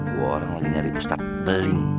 gue orang lagi nyari ustadz peling